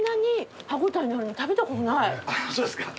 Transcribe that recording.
そうですか。